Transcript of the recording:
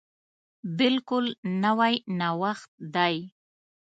بلکل نوی جوړښت دی.